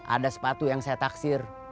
ada sepatu yang saya taksir